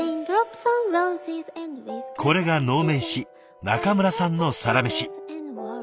これが能面師中村さんのサラメシ。